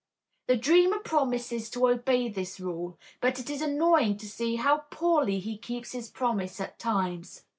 The dreamer promises to obey this rule, but it is annoying to see how poorly he keeps his promise at times.